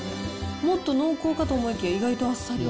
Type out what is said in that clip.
もっと濃厚かと思いきや、意外とあっさり。